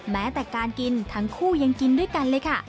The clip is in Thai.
แม้แต่การกินทั้งคู่ยังกินด้วยกันเลยค่ะ